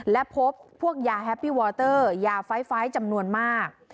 และพบพวกยาแฮปปี้วอเตอร์ยาไฟล์จำนวนมาก